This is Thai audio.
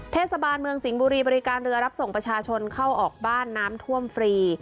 เทศบาลเมืองสิงห์บุรีบริการเรือรับส่งประชาชนเข้าออกบ้านน้ำท่วมฟรี